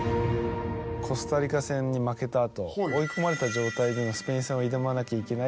コスタリカ戦に負けたあと追い込まれた状態でのスペイン戦を挑まなきゃいけない